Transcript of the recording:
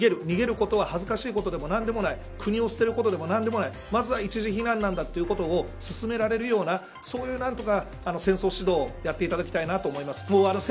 逃げることは恥ずかしいことでもなんでもない国を捨てることでもなんでもないまずは一時避難なんだということを勧められるようなそういう戦争指導を何とかやっていただきたいと思います。